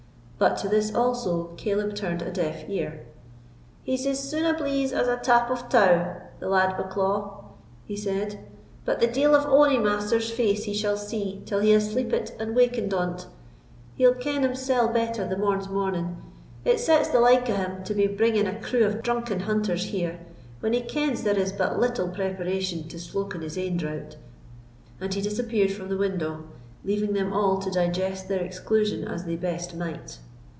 But to this also Caleb turned a deaf ear. "He's as soon a bleeze as a tap of tow, the lad Bucklaw," he said; "but the deil of ony master's face he shall see till he has sleepit and waken'd on't. He'll ken himsell better the morn's morning. It sets the like o' him, to be bringing a crew of drunken hunters here, when he kens there is but little preparation to sloken his ain drought." And he disappeared from the window, leaving them all to digest their exclusion as they best might.